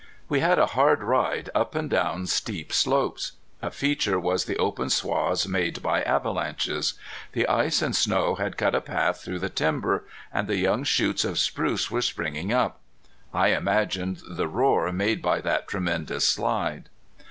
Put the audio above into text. We had a hard ride up and down steep slopes. A feature was the open swaths made by avalanches. The ice and snow had cut a path through the timber, and the young shoots of spruce were springing up. I imagined the roar made by that tremendous slide.